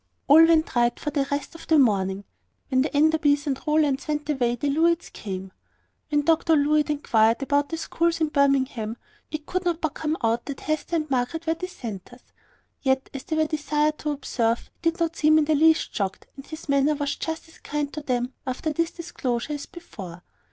All went right for the rest of the morning. When the Enderbys and Rowlands went away, the Levitts came. When Dr Levitt inquired about the schools of Birmingham, it could not but come out that Hester and Margaret were dissenters. Yet, as they were desired to observe, he did not seem in the least shocked, and his manner was just as kind to them after this disclosure as before.